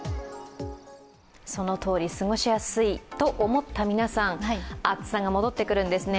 そのとおり過ごしやすいと思った皆さん暑さが戻ってくるんですね。